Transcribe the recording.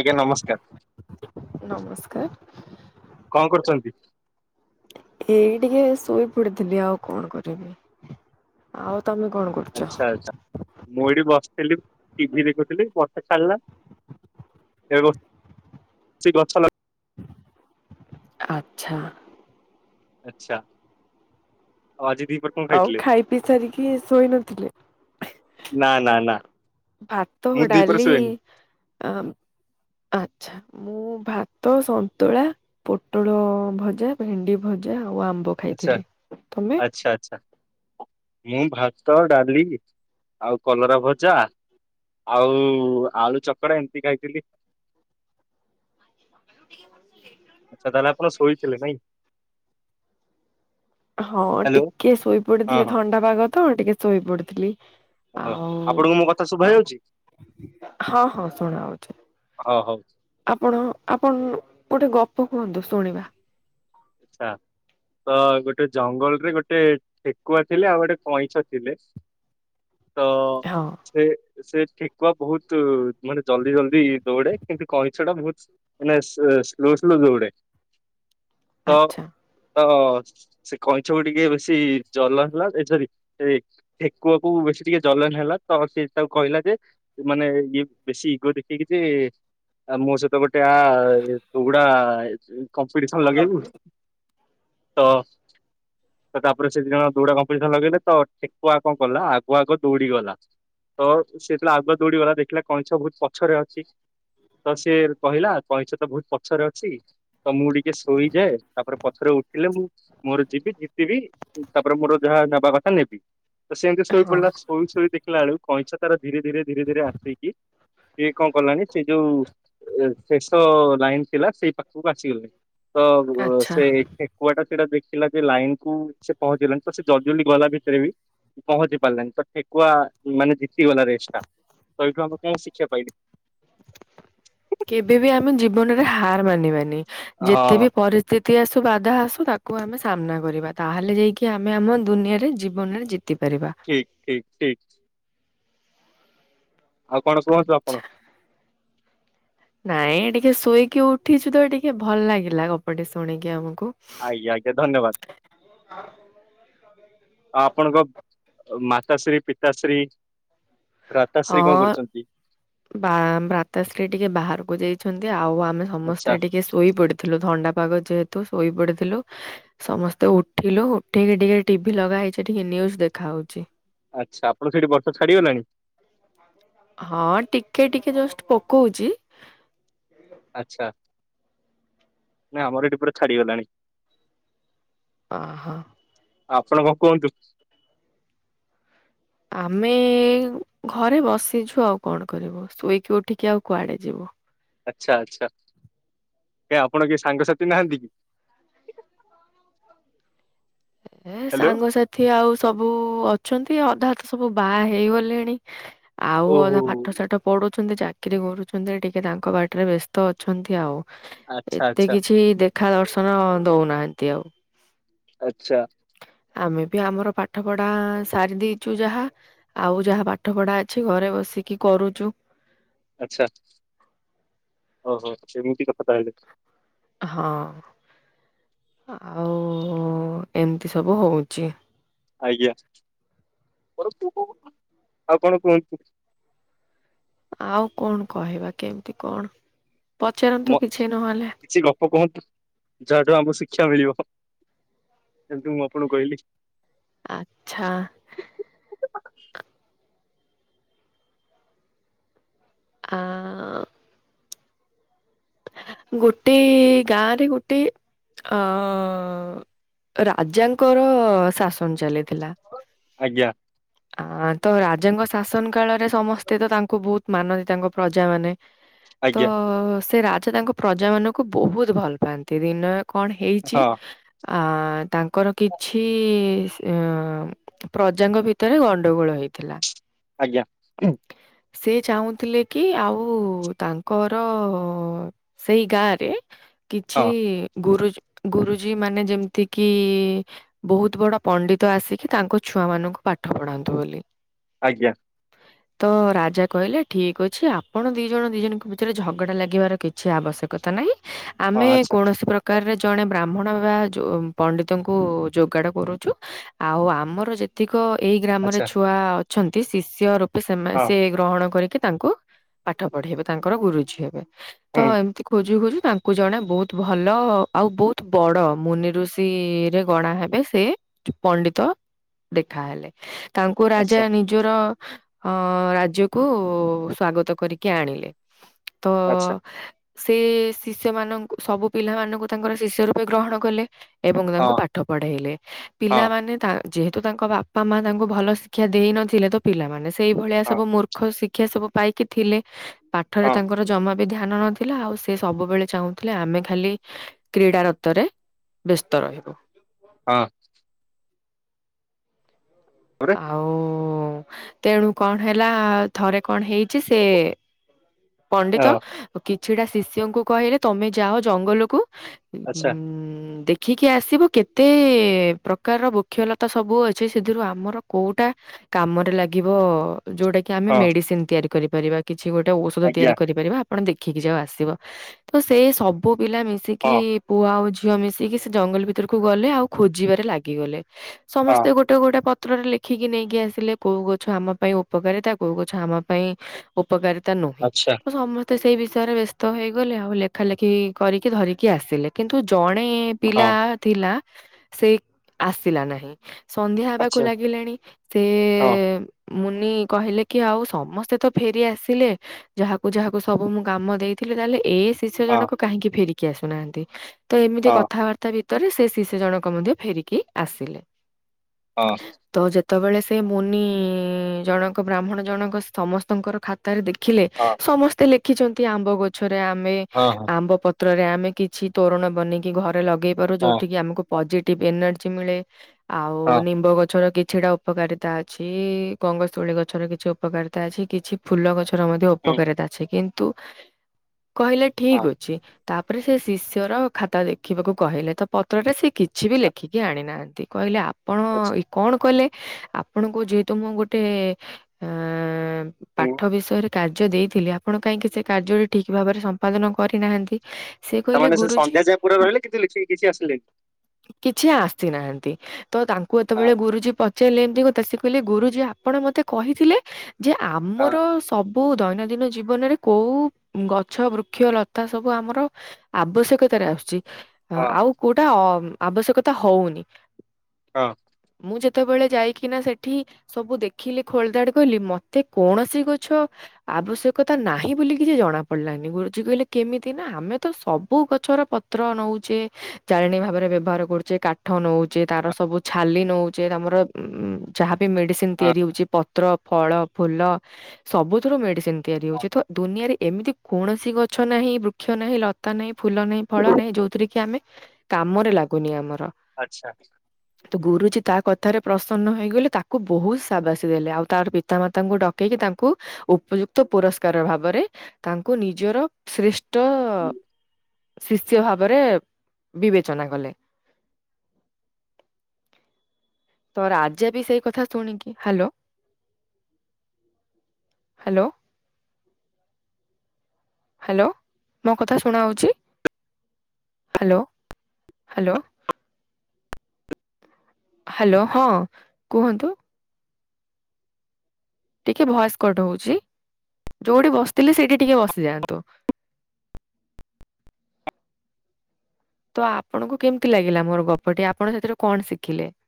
ଆଜ୍ଞା ନମସ୍କାର। କଣ ନମସ୍କାର। କରୁଛନ୍ତି? ଏଇ ଟିକେ ଶୋଇ ପଡିଥିଲି ଆଉ କଣ କରିବି ଆଉ ତମେ କଣ କରୁଛ? ଆଚ୍ଛା ଆଚ୍ଛା ମୁଁ ଏଇଠି ବସିଥିଲି ଟିଭି ଦେଖୁଥିଲି ବର୍ଷା ଛାଡ଼ିଲା। ଏଇ ବସି ଗଛ ଲ ଆଚ୍ଛା। ଆଚ୍ଛା। ଆଉ ଆଜି ଦିପହରେ କଣ ଆଉ ଖାଇଥିଲେ? ଖାଇ ପିଇ ସାରିକି ଶୋଇ ନଥିଲେ? ନା ନା ନା। ଭାତ ମୁଁ ଦିପହରେ ଡାଲି ଶୁଏନି ଆମ ଆଚ୍ଛା ମୁଁ ଭାତ ସନ୍ତୁଳା ପୋଟଳ ଭଜା ଭେଣ୍ଡି ଭଜା ଆଉ ଆମ୍ବ ଆଚ୍ଛା ଖାଇଥିଲି ତମେ? ଆଚ୍ଛା ଆଚ୍ଛା ମୁଁ ଭାତ ଡାଲି ଆଉ କଲରା ଭଜା। ଆଉ ଆଳୁ ଚକଡ଼ା ଏମିତି ଖାଇଥିଲି। ମାରିବ। ଆଚ୍ଛା ତାହେଲେ ଆପଣ ଶୋଇଥିଲେ ନାଇଁ ହଁ ହ୍ୟାଲୋ ଟିକେ ହଁ ଶୋଇପଡିଥିଲି ହଁ ଥଣ୍ଡା ପାଗ ତ ଟିକେ ଶୋଇପଡ଼ିଥିଲି। ଓହୋ ଆପଣଙ୍କୁ ମୋ କଥା ଶୁଭା ଯାଉଛି? ହଁ ହଁ ଶୁଣାହଉଛିି ହଁ ହଉ ଆପଣ ଆପଣ। ଗୋଟେ ଗପ କୁହନ୍ତୁ ଶୁଣିବା। ଆଚ୍ଛା। ତ ଗୋଟେ ଜଙ୍ଗଲରେ ଗୋଟେ ଠେକୁଆ ଥିଲେ ଆଉ ଗୋଟେ କଇଁଛ ଥିଲେ। ତ ହଁ ସେ ସେ ଠେକୁଆ ବହୁତୁ ମାନେ ଜଲଦି ଜଲ୍ଦି ଦୌଡେ କିନ୍ତୁ କଇଁଛ ଟା ବହୁତ ମାନେ ସ ଅ ସ୍ଲୋ ସ୍ଲୋ ଦୌଡେ। ତ। ଆଚ୍ଛା। ତ ସେ କଇଁଛକୁ ଟିକେ ବେଶୀ ଜଲନ ହେଲା ଏ ସରି ସେ ଠେକୁଆକୁ ବେ ସେ ଟିକେ ଜଲନ ହେଲା ତ ସେ ତାକୁ କହିଲା ଯେ ମାନେ ଇଏ ବେଶୀ ଇଗୋ ଦେଖେଇକି ଯେ। ଆଉ ମୋ ସହିତ ଗୋଟେ ଆ ତୁଗୁଡା ଇ କମ୍ପିଟିସନ ଲଗେଇବୁ। ତ। ତ ତାପରେ ସେ ଦି ଜଣ ଦୌଡା କମ୍ପିଟିସନ ଲଗେଇଲେ ତ ଠେକୁଆ କଣ କଲା ଆଗୁଆ ଆଗ ଦୌଡି ଗଲା। ତ ସେ ଯେତେବେଳେ ଆଗୁଆ ଦୌଡି ଗଲା ଦେଖିଲା କଇଁଛ ବହୁତ ପଛରେ ଅଛି। ତ ସେ କହିଲା କଇଁଛ ତ ବହୁତ ପଛରେ ଅଛି ତ ମୁଁ ଟିକେ ଶୋଇଯାଏ। ତାପରେ ପଛରେ ଉଠିଲେ ମୁଁ ମୋର ଯିବି ଜିତିବି ତାପରେ ମୋର ଯାହା ନେବା କଥା ନେବି। ତ ସେମିତି ଶୋଇ ହଁ ପଡିଲା ଶୋଇ ଶୋଇ ଦେଖିଲା ବେଳୁ। କଇଁଛ ତାର ଧୀରେ ଧୀରେ ଧୀରେ ଧୀରେ ଆସିକି ସିଏ କଣ କଲାଣି ସେ ଯୋଉ ଏ ଶେଷ ଲାଇନ ଥିଲା ସେଇ ପାଖକୁ ଆସିଗଲାଣି ତ ଅ ଆଚ୍ଛା ସେ ଠେକୁଆ ଟା ସେଟା ଦେଖ ଖିଲା ଯେ ଲାଇନ କୁ ସେ ପହଞ୍ଚିଗଲାଣିି ତ ସେ ଜଲଦି ଜଲଦି ଗଲା ଭିତରେ ବି ପହଞ୍ଚି ପାରିଲାନି ତ ଠେକୁଆ। ମାନେ ଜିତିଗଲା ରେଷ୍ ଟା ତ ଏଇଠୁ ଆମେ କଣ ଶିକ୍ଷା ପାଇଲେ? କେବେ ବି ଆମେ ଜୀବନରେ ହାର ମାନିବାନି। ଯେତେ ହଁ ବି ପରିସ୍ଥିତି ଆସୁ ବାଧା ଆସୁ ତା କୁ ଆମେ ସାମ୍ନା କରିବା ତାହେଲେ ଯାଇକି ଆମେ ଆମ ଦୁନିଆରେ ଜୀବନରେ ଜି ଠିକ ଠିକ ଠିକ। ଆଉ କଣ କୁହନ୍ତୁ ଆଚ୍ଛା ଆପଣ? ନାଇଁ ଟିକେ ଶୋଇକି ଉଠିଛି ତ ଟିକେ ଭଲ ଲାଗିଲା ଗପଟେ ଶୁଣିକି ଆମକୁ ଆଜ୍ଞା ଆଜ୍ଞା ଧନ୍ୟବାଦ। ଆଁ ଆପଣଙ୍କ ମାତାଶ୍ରୀ ପିତାଶ୍ରୀ ଭ୍ରାତାଶ୍ରୀ କଣ ହଁ କରୁଛନ୍ତି? ବା ଭ୍ରାତାଶ୍ରୀ ଟିକେ ବାହାରକୁ ଯାଇଛନ୍ତି ଆଉ ଆପ ଆମେ ଆଚ୍ଛା ସମସ୍ତେ ଟିକେ ଶୋଇ ପଡିଥିଲୁ ଥଣ୍ଡା ପାଗ ଯେହେତୁ ଶୋଇ ପଡିଥିଲୁ ସମସ୍ତେ ଉଠିଲୁ ଉଠିକି ଟିକେ ଟିଭି ଲଗା ହେଇଛି ଟିକେ ନ୍ୟୁଜ ଦେଖାହଉଛି। ଆଚ୍ଛା ଆପଣ ସେଇଠି ବର୍ଷା ଛାଡିଗଲାଣି? ହଁ ଟିକେ ଟିକେ ଜଷ୍ଟ ପକଉଛି ନାଁ ଆମର ଏଠି ପୁରା ଛାଡିଗଲାଣି। ହ ହ। ଆପଣ କଣ କୁହନ୍ତ? ଆମେ ଘରେ ବସିଛୁ ଆଉ କଣ କରିବୁ ଶୋଇକି ଉଠିକି ଆଉ କୁଆଡେ ଯିବୁ। ଆଛା ଆଚ୍ଛା ଆପଣଙ୍କ କେହି ସାଙ୍ଗସାଥି ନାହାନ୍ତି କି? ଏ ହ୍ୟାଲୋ। ସାଙ୍ଗସାଥି ଆଉ ସବୁ ଅ ଅଛନ୍ତି ଅଧା ତ ସବୁ ବାହା ହେଇଗଲେଣି ଆଉ ଓହୋ ଅଧା ପାଠ ସାଠ ପଢୁ ଛନ୍ତି ଚାକିରି କରୁଛନ୍ତି। ଟିକେ ତାଙ୍କ ବାଟରେ ବ୍ୟସ୍ତ ଅଛନ୍ତି ଆଉ। ଆଚ୍ଛା ଏତେ ଆଚ୍ଛା କିଛି ଦେଖା ଦର୍ଶନ ଦଉନାହାନ୍ତି ଆଉ। ଆଛା। ଆମେ ବି ଆମର ପାଠ ପଢା ସାରି ଦେଇଛୁ। ଯାହା ଆଉ ଯାହା ପାଠ ପଢା ଅଛି ଘରେ ବସିକି କରୁଛୁ। ଆଛା ଓହୋ ଏମିତି କଥା ତାହାଲେ। ହଁ। ଆଉ ଏମିତି ସବୁ ହଉଛି। ଆଜ୍ଞା। ଆଉ କଣ କୁହନ୍ତୁ? ଆଉ କଣ କହିବା କେମିତି କଣ? ପଚାରନ୍ତୁ ମ ନହେଲେ କିଛି ଗପ କୁହନ୍ତୁ ଯାହାଠୁ ଆମକୁ ଶିକ୍ଷା ମିଳିବ। ଯେମିତି ମୁଁ ଆପଣଙ୍କୁ କହିଲି। ଆଚ୍ଛା [inaudible] ଆ ଗୋଟେ ଗାଁ ରେ ଗୋଟେ ଅ ରାଜାଙ୍କର ଶାସନ ଚାଲିଥିଲା ଆଜ୍ଞା ଆ ତ ରାଜାଙ୍କ ଶାସନ କାଳରେ ସମସ୍ତେ ତ ତାଙ୍କୁ ବହୁତ ମାନନ୍ତି ତାଙ୍କ ପ୍ରଜା ମାନେ। ତ ଆଜ୍ଞା ସେ ରାଜା ତାଙ୍କ ପ୍ରଜା ମାନଙ୍କୁ ବହୁତ ଭଲ ପାଆନ୍ତି। ଦିନ କଣ ହେଇଛି ହଁ ଆ ତାଙ୍କର କିଛି ଅ ପ୍ରଜାଙ୍କ ଭିତରେ ଗଣ୍ଡଗୋଳ ହେଇଥିଲା। ଆଜ୍ଞା। ସେ ଚାହୁଁଥିଲେ କି ଆଉ ତାଙ୍କର ସେଇ ଗାଁରେ କିଛି ହଁ ଗୁରୁଜ ଗୁରୁଜୀ ମାନେ ଯେମିତି କିି ବହୁତ ବଡ ପଣ୍ଡିତ ଆସିକି ତାଙ୍କ ଛୁଆ ମାନଙ୍କୁ ପାଠ ପଢାନ୍ତୁ ବୋଲି ଆଜ୍ଞା। ତ ରାଜା କହିଲେ ଠିକ ଅଛି ଆପଣ ଦି ଜଣ ଦି ଜଣଙ୍କ ଭିତରେ ଝଗଡା ଲାଗିବାର କିଛି ଆବଶ୍ୟକତା ନାହିଁ। ହଁ ଆମେ ଆଚ୍ଛା କୌଣସି ପ୍ରକାରର ଜଣେ ବ୍ରାହ୍ମଣ ବା ଜୋ ପଣ୍ଡିତଙ୍କୁ ଯୋଗାଡ଼ କରୁଛୁ। ଆଉ ଆମର ଯେତିକ ଏଇ ଗ୍ରାମରେ ଆଚ୍ଛା ଛୁଆ ଅଛନ୍ତି। ଶିଷ୍ୟ ରୂପେ ସେମା ହଁ ସେ ଗ୍ରହଣ କରିକି ତାଙ୍କୁ ପାଠ ପଢେଇବେ ତାଙ୍କର ଗୁରୁଜୀ ହେବେ। ତ ହୁଁ ଏମିତି ଖୋଜୁ ଖୋଜୁ ତାଙ୍କୁ ଜଣେ ବହୁତ ଭଲ ଆଉ ବହୁତ ବଡ ମୁନି ଋଷି ରେ ଗଣା ହେବେ ସେ ପଣ୍ଡିତ ଦେଖାହେଲେ। ତାଙ୍କୁ ରାଜା ଆଚ୍ଛା ନିଜର ଅ ରାଜ୍ୟକୁ ସ୍ଵାଗତ କରିକି ଆଣିଲେ ।ତ ଆଚ୍ଛା ସେ ଶିଷ୍ୟ ମାନଙ୍କୁ ସବୁ ପିଲା ମାନଙ୍କୁ ତାଙ୍କର ଶିଷ୍ୟ ରୂପେ ଗ୍ରହଣ କଲେ। ଏବଂ ତାଙ୍କୁ ହଁ ପାଠ ପଢେଇଲେ। ହଁ ପିଲାମାନେ ତା ଯେହେତୁ ତାଙ୍କ ବାପା ମା ତାଙ୍କୁ ଭଲ ଶିକ୍ଷା ଦେଇ ନଥିଲେ ତ ପିଲାମାନେ ସେଇଭଳିଆ ହଁ ସବୁ ମୂର୍ଖ ସି ଶିକ୍ଷା ସବୁ ପାଇକି ଥିଲେ। ପାଠରେ ହଁ ତାଙ୍କର ଜମା ଧ୍ୟାନ ନଥିଲା ଆଉ ସେ ସବୁବେଳେ ଚାହୁଁଥିଲେ ଆମେ ଖାଲି କ୍ରୀଡା ରତରେ ବ୍ୟସ୍ତ ରହିବୁ। ହଁ। ତାପରେ ଆଉ ତେଣୁ କଣ ହେଲା ଥରେ କଣ ହେଇଛି ସେ ପଣ୍ଡିତ ହଁ କିଛିଟା ଶିଷ୍ୟଙ୍କୁ କହିଲେ ତମେ ଯାଅ ଜଙ୍ଗଲକୁ ଉଁ ଆଚ୍ଛା ଦେ ଦେଖିକି ଆସିବ କେତେ ପ୍ରକାରର ବୃକ୍ଷଲତା ସବୁ ଅଛି ସେଥିରୁ ଆମର କୋଉଟା କାମରେ ଲାଗିବ ଯୋଉଟା କି ଆମେ ହଁ ମେଡିସିନ ତିଆରି କରିପାରିବା କିଛି ଗୋଟେ ଔଷଧ ଆଜ୍ଞା ତିଆରି କରିପାରିବା। ଆପଣ ଦେଖିକି ଯାଓ ଆସିବ। ତ ସେଇ ସବୁ ପିଲା ମିଶିକି ହଁ ପୁଅ ଆଉ ଝି ଝିଅ ମିଶିକି ସେ ଜଙ୍ଗଲ ଭିତରକୁ ଗଲେ ଆଉ ଖୋଜିବାରେ ଲାଗିଗଲେ। ହଁ ସମସ୍ତେ ଗୋଟେ ଗୋଟେ ପ ପତ୍ରରେ ଲେଖିକି ନେଇକି ଆସିଲେ କୋଉ ଗଛ ଆମ ପାଇଁ ଉପକାରିତା କୋଉ ଗଛ ଆମ ପାଇଁ ଉପକାରିତା ନ ଆଚ୍ଛା ତ ସମସ୍ତେ ସେଇ ବିଷୟରେ ବ୍ୟସ୍ତ ହେଇଗଲେ ଆଉ ଲେଖା ଲେଖି କରିକି ଧରିକି ଆସିଲେ। କିନ୍ତୁ ଜଣେ ହଁ ପିଲା ଥିଲା ସେ ଆସିଲା ନାହିଁ। ସନ୍ଧ୍ୟା ହେବାକୁ ଆଚ୍ଛା ଲାଗିଲାଣି। ସେ ହଁ ମୁନି କହିଲେ କି ଆଉ ସମସ୍ତେ ତ ଫେରି ଆସିଲେ ଯାହାକୁ ଯାହାକୁ ସବୁ ମୁଁ କାମ ଦେଇଥିଲି ତାହେଲେ ଏ ଶିଷ୍ୟ ଜଣକ କାହିଁକି ଫେରିକି ଆସୁନାହାନ୍ତି। ତ ଏମିତି ହଁ ହଁ କଥାବାର୍ତ୍ତା ଭିତରେ ସେ ଶିଷ୍ୟ ଜଣକ ମଧ୍ୟ ଫେରିକି ଆସିଲେ। ହଁ। ସେତେବେଳେ ସେ ମୁନି ଜଣକ ବ୍ରାହ୍ମଣ ଜଣକ ସମସ୍ତଙ୍କର ଖାତାରେ ଦେଖି ହଁ ସମସ୍ତେ ଲେଖିଛନ୍ତି ଆମ୍ବ ଗଛରେ ଆମେ ହଁ ହଁ ଆମ୍ବ ପ ପତ୍ରରେ ଆମେ କିଛି ତୋରଣ ବନେଇକି ଘରେ ଲଗେଇ ପାରୁ ହଁ ଯୋଉଠିକି ଆମକୁ ପଜେ ଏନର୍ଜି ମିଳେ ଆଉ ହଁ ନିମ୍ବ ଗଛର ଗି ଛିଟା ଉପକାରିତା ଅଛି। ଗଙ୍ଗଶିଉଳି ଗଛର କିଛି ଉପକାରିତା ଅଛି। କିଛି ଫୁଲ ଗଛର ମ [unintelligible] ହୁଁ କିନ୍ତୁ କହିଲେ ହଁ ଠିକ ଅଛି। ତାପରେ ସେ ଶିଷ୍ୟର ଖାତା ଦେଖିବାକୁ କହିଲେ। ତ ପତ୍ରରେ ସେ କିଛି ବି ଆଚ୍ଛା ଲେଖିକି ଆଣିନାହାନ୍ତି। ସେ କହିଲେ ଆପଣ ଆଚ୍ଛା ଏଇ କଣ କଲେ? ଆପଣଙ୍କୁ ଯେହେତୁ ମୁଁ ଗୋଟେ ଅ ପାଠ ହୁଁ ବିଷୟରେ ଦେଇଥିଲେ ଆପଣ କାହିଁକି ସେ କାର୍ଯ୍ୟ ଠିକ ଭାବରେ ସମ୍ପାଦନ କରିନାହାନ୍ତି। ସେ କହିଲେ ତାମାନେ ସେ ଗୁରୁଜୀ ସନ୍ଧ୍ୟା ଯାଏ ପୁରା ରହିଲେ କିନ୍ତୁ ଲେଖିକି କିଛି ଆସିଲେ କିଛି ଆସିନାହାନ୍ତି। ତ ତାଙ୍କୁ ଏତେବେଳେ ହଁ ଗୁରୁଜୀ ପ ଚାରିଲେ ଏମତି କଥାସେ କହିଲେ ଗୁରୁଜୀ ଆପଣ ମତେ କହିଥିଲେ ଯେ ହଁ ଆମର ସବୁ କୋଉ ଦୈନନ୍ଦିନ ଜୀବନରେ କୋଉ ଗଛ ବୃକ୍ଷ ଲତା ସବୁ ଆମର ଆବଶ୍ୟକତାରେ ଆସୁଛି। ହଁ ଆଉ କୋଉଟା ଆବଶ୍ୟକତା ହଉନି। ହଁ। ମୁଁ ଯେତେବେଳେ ଯାଇକିନା ସେଠି ସବୁ ଦେଖିଲି ଖୋଳଧାଡ କଲି ମତେ କୌଣସି ଗଛ ଆବଶ୍ୟକତା ନାହିଁ ବୋଲି କିଛି ଜଣା ପଡିଲାନି। ଗୁରୁଜୀ କହିଲେ କେମିତି ନା ଆମେ ତ ସବୁ ଗଛ ପତ୍ର ନଉଚେ ଜାଳେଣି ଭାବରେ ବ୍ୟବହାର କରୁଚେ। କାଠ ନଉଚେ ତାର ସବୁ ଛାଲି ନଉ ଯେ ଆମର ଉଁ। [unintelligible] ମେଡିସିନ ହଁ ତିଆରି ହଉଛି ପତ୍ର ଫଳ ଫୁଲ ସବୁଥିରୁ ମେଡିସିନ। ତିଆରି ହଁ ହଉଛି। ତ ଦୁନିଆରେ ଏମିତି କୌଣସି ଗଛ ନାହିଁ ବୃକ୍ଷ ନାହିଁ ଲତା ନାହିଁ ଫୁଲ ନାହିଁ ଫଳ ନାହିଁ ଯୋଉଥିରେ କି ଆମେ କାମରେ ଲାଗୁନି ଆମର। ଆଚ୍ଛା। ତୋ ଗୁରୁୁ କିଛି ତା କଥାରେ ପ୍ରସନ୍ନ ହୋଇଗଲେ ତାକୁ ବହୁତ ସାବାସୀ ଦେଲେ। ଆଉ ତାର ପିତାମାତାଙ୍କୁ ଡକେଇକି ତା ତାକୁ ଉପଯୁକ୍ତ ପୁରସ୍କାର ଭାବରେ ତାଙ୍କୁ ନିଜର ଶ୍ରେଷ୍ଠ ହୁଁ। ଶିସ୍ୟ ଭାବରେ ବିବେଚନା କଲେ ତ ରାଜା ବି ସେଇ କଥା ଶୁଣିକି ହାଲୋ ହାଲୋ ହାଲୋ ମୋ କଥା ଶୁଣା ଯାଉଛି। ହ୍ୟାଲୋ ହ୍ୟାଲୋ ହ୍ୟାଲୋ ହଁ କୁହନ୍ତୁ। ଟିକେ ଭଏସ କଟ ହଉଛି। ଯୋଉଠି ବସିଥିଲି ସେଇଠି ଟିକେ ବସିଯାଆନ୍ତୁ। ତ ଆପଣଙ୍କୁ କେମତି ଲାଗିଲା ମୋର ଗପଟି ଆପଣ ସେଥିରୁ କଣ ଶିଖିଲେ? [inaudible]